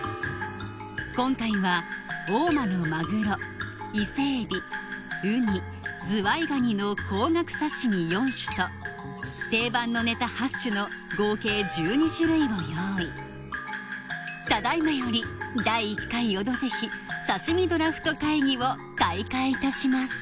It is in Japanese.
今回は大間のマグロ伊勢エビウニズワイガニの高額刺身４種と定番のネタ８種の合計１２種類を用意ただ今より第一回「オドぜひ」刺身ドラフト会議を開会いたします